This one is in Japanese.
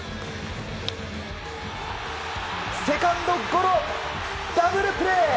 セカンドゴロ、ダブルプレー。